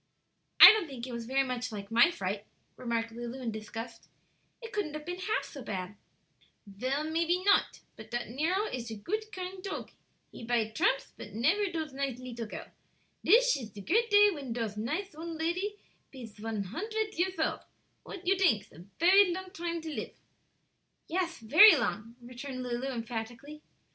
'" "I don't think it was very much like my fright," remarked Lulu, in disgust; "it couldn't have been half so bad." "Vell, maype not; but dat Nero ish a goot, kind tog; he bide dramps, but nefer dose nice leetle girl. Dis ish de great day when dose nice old lady pees von huntred years old. What you dinks? a fery long dime to live?" "Yes; very long," returned Lulu, emphatically.